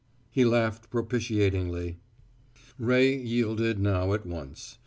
He laughed propitiatingly. Ray yielded now at once.